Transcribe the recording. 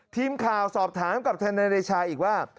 ทีมข่าวสอบถามกับทนายเดชาอีกว่า